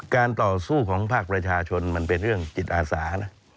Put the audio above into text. ต่อสู้ของภาคประชาชนมันเป็นเรื่องจิตอาสานะ